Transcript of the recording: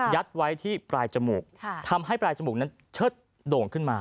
ไว้ที่ปลายจมูกทำให้ปลายจมูกนั้นเชิดโด่งขึ้นมา